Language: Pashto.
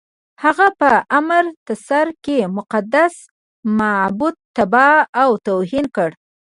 هغه په امرتسر کې مقدس معبد تباه او توهین کړ.